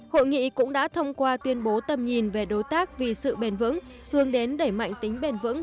hội nghị cũng đã thông qua tuyên bố tầm nhìn về đối tác vì sự bền vững hướng đến đẩy mạnh tính bền vững